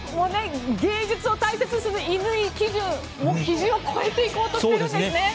芸術を大切にする乾基準、基準を超えていこうとしているんですね。